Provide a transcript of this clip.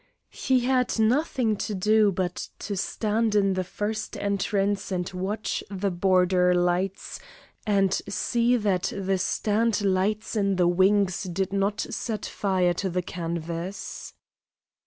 He had nothing to do but to stand in the first entrance and watch the border lights and see that the stand lights in the wings did not set fire to the canvas.